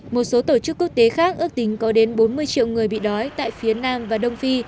một số tổ chức quốc tế khác ước tính có đến bốn mươi triệu người bị đói tại phía nam và đông phi